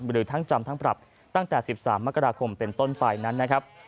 หรือทั้งจำทั้งปรับตั้งแต่๑๓มกราคมเป็นต้นไปนั้นนะครับ